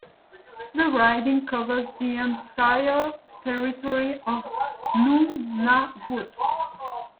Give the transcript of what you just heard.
The riding covers the entire territory of Nunavut.